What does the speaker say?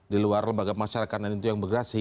di luar lembaga pemasarakatan itu yang bergerasinya